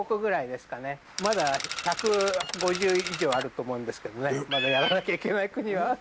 まだ１５０以上あると思うんですけどねまだやらなきゃいけない国は。